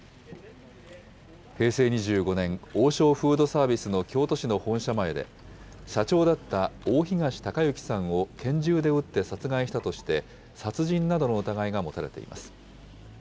平成２５年、王将フードサービスの京都市の本社前で、社長だった大東隆行さんを拳銃で撃って殺害したとして、殺人などの疑いが持たれています。